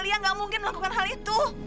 dia gak mungkin melakukan hal itu